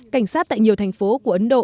cảnh sát tại nhiều thành phố của ấn độ